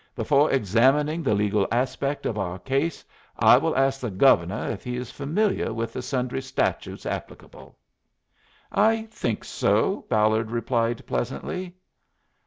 Befo' examining the legal aspect of our case I will ask the Gove'nuh if he is familiar with the sundry statutes applicable." "I think so," Ballard replied, pleasantly.